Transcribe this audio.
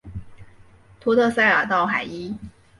托特塞尔道海伊。